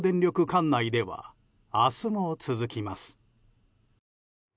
管内では明日も続きます。